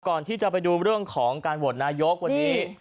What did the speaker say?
ก่อนที่จะไปดูเรื่องของการโหวตนายกวันนี้